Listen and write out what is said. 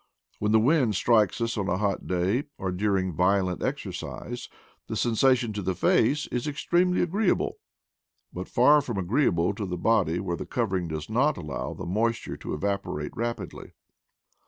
When the wind strikes us on a hot day, or during violent exer cise, the sensation to the face is extremely agree able, but far from agreeable to the body where the covering does not allow the moisture to evapo rate rapidly.